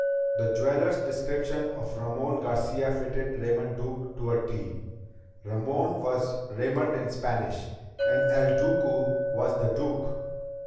The jeweler's description of Ramon Garcia fitted Raymond Duke to a T. Ramon was Raymond in Spanish! And El Duque was The Duke!